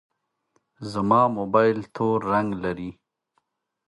زما موبایل تور رنګ لري.